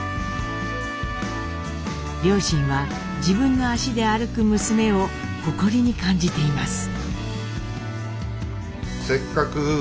両親は自分の足で歩く娘を誇りに感じています。